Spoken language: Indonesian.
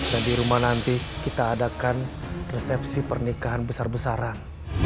dan di rumah nanti kita adakan resepsi pernikahan besar besaran